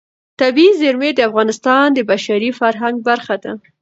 طبیعي زیرمې د افغانستان د بشري فرهنګ برخه ده.